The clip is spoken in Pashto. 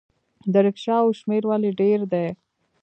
د ریکشاوو شمیر ولې ډیر دی؟